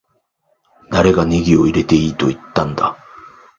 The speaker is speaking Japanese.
誰がネギを入れていいって言ったんだ